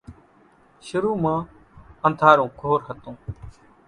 شرو مان انڌارو گھور ھتون